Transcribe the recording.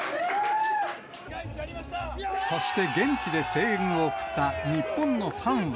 そして、現地で声援を送った日本のファンは。